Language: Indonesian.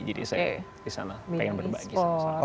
jadi saya disana pengen berbagi sama sama